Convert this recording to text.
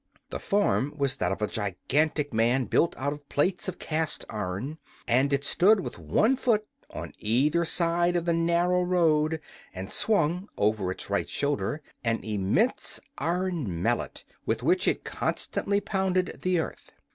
The form was that of a gigantic man built out of plates of cast iron, and it stood with one foot on either side of the narrow road and swung over its right shoulder an immense iron mallet, with which it constantly pounded the earth.